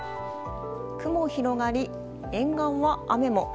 雲広がり、沿岸は雨も。